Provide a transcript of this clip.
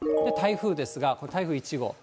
台風ですが、台風１号。